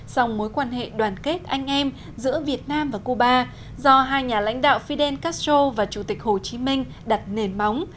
dòng mối quan hệ đoàn kết anh em giữa việt nam và cuba do hai nhà lãnh đạo fidel castro và chủ tịch hồ chí minh đặt nền móng